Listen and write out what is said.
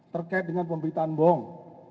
terkait dengan pemberitaan bohong